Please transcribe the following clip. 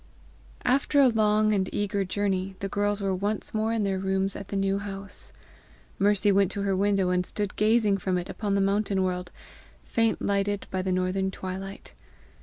After a long and eager journey, the girls were once more in their rooms at the New House. Mercy went to her window, and stood gazing from it upon the mountain world, faint lighted by the northern twilight.